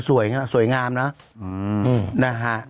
โหสวยนะสวยงามเนอะอือนะฮะ